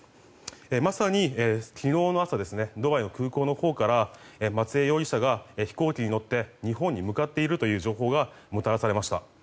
まさに、昨日の朝ドバイの空港のほうから松江容疑者が飛行機に乗って日本に向かっているという情報がもたらされました。